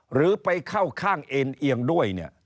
หรือไปเข้าข้างเอ็นเอียงด้วยเนี่ย